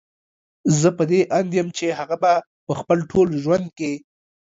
زه په دې اند يم چې هغه به په خپل ټول ژوند کې